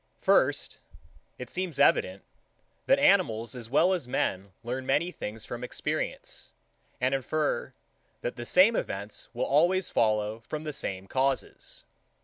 83. First, It seems evident, that animals as well as men learn many things from experience, and infer, that the same events will always follow from the same causes.